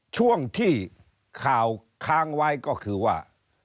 ช่วงที่ข่าวค้างไว้ก็คือว่า